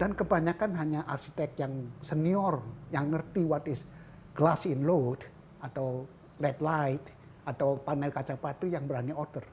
dan kebanyakan hanya arsitek yang senior yang ngerti apa itu glass in load atau red light atau panel kaca patu yang berani order